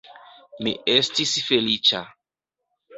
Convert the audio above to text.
Mi estis feliĉa.